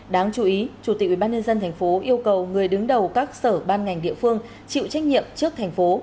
đáng chú ý chủ tịch ubnd tp yêu cầu người đứng đầu các sở ban ngành địa phương chịu trách nhiệm trước thành phố